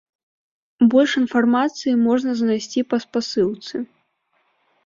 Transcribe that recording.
Больш інфармацыі можна знайсці па спасылцы.